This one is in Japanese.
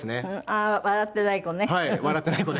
ああ笑ってない子ね。